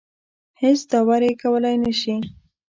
هېڅ دارو یې کولای نه شي.